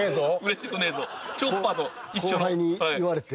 後輩に言われて？